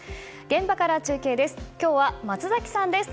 現場から中継です。